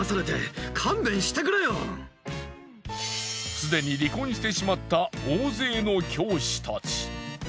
すでに離婚してしまった大勢の教師たち。